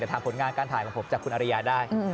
แต่ถามผลงานการถ่ายของผมจากคุณอริยาได้